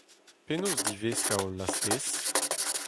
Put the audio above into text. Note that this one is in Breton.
Penaos diveskañ hol lastez ?